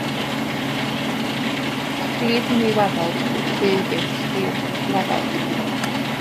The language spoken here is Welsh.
Pridd neu waddod rhydd yw Llifwaddod.